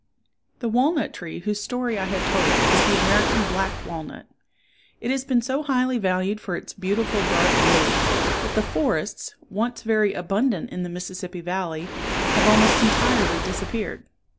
The walnut tree whose story I have told is the American black walnut. It has been so highly valued for its beautiful dark wood that the forests, once very abundant in the Mississippi Valley, have almost entirely disappeared.